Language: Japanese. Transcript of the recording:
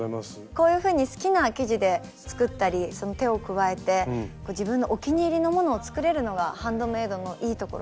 こういうふうに好きな生地で作ったり手を加えて自分のお気に入りのものを作れるのがハンドメイドのいいところですね。